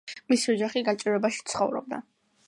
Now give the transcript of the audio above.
მისი ოჯახი გაჭირვებაში ცხოვრობდა.